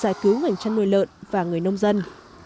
giải cứu ngành chăn nuôi lợn và người nông dân